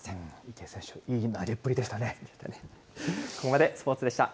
池江選手、いい投げっぷりでしたね。